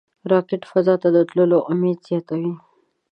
راکټ فضا ته د تللو امید زیاتوي